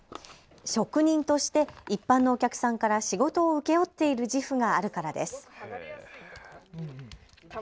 職人として一般のお客さんから仕事を請け負っている自負があるからです。